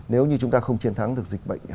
nếu như chúng ta không chiến thắng được dịch bệnh